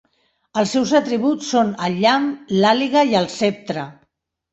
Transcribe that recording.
Els seus atributs són el llamp, l'àliga i el ceptre.